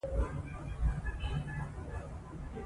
الفاظ پیچلي نه دي.